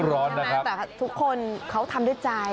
ร้อนนะครับเราร่วมมคุณทุกคนเขาทำด้วยใจ